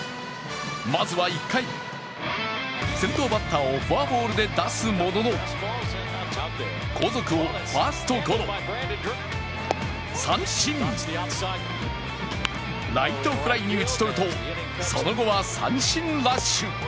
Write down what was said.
まずは１回、先頭バッターをフォアボールで出すものの、後続をファーストゴロ、三振、ライトフライに打ち取るとその後は三振ラッシュ。